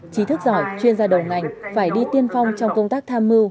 chí thức giỏi chuyên gia đầu ngành phải đi tiên phong trong công tác tham mưu